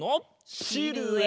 シルエット！